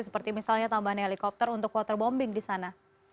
seperti misalnya tambahan helikopter untuk waterbombing di sana